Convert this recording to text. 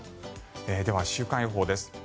では、週間予報です。